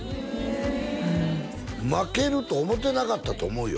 うん負けると思ってなかったと思うよ